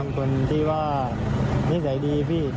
เป็นคนที่ว่านิสัยดีพี่